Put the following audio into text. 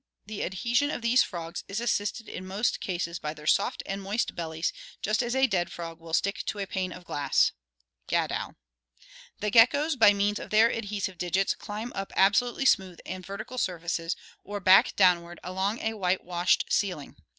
The adhesion of these frogs is assisted in most cases by their soft and moist bellies, just as a dead frog will stick to a pane of glass" (Gadow). The geckoes, by means of their adhesive digits, climb up abso lutely smooth and vertical surfaces, or, back downward, along a whitewashed ceiling.